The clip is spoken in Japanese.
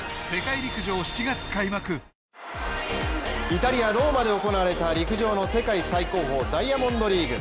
イタリア・ローマで行われた陸上の世界最高峰ダイヤモンドリーグ。